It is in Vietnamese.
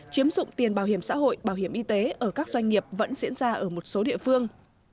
chiếm dụng tiền bảo hiểm xã hội bảo hiểm y tế ở các doanh nghiệp vẫn diễn ra ở một số địa phương